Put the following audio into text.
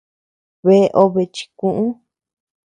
Bea obe chikuʼu.